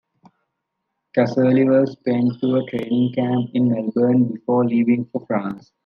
Casserly was sent to a training camp in Melbourne before leaving for France.